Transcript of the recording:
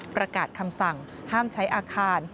ประกาศคำสั่งห้ามใช้อาคาร